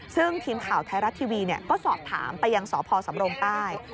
ซึ่งทีมข่าวไทยรัฐทีวีก็สอบถามไปยังสพสำรงใต้